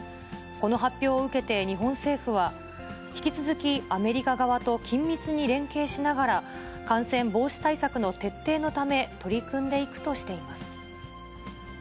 この発表を受けて、日本政府は、引き続きアメリカ側と緊密に連携しながら、感染防止対策の徹底のため、取り組んでいくとしています。